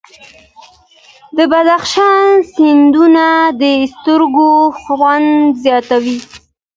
د بدخشان سیندونه د سترګو خوند زیاتوي.